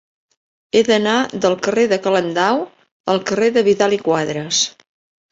He d'anar del carrer de Calendau al carrer de Vidal i Quadras.